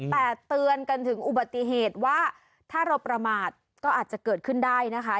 แต่เตือนกันถึงอุบัติเหตุว่าถ้าเราประมาทก็อาจจะเกิดขึ้นได้นะคะ